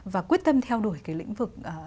và quyết tâm theo đuổi cái lĩnh vực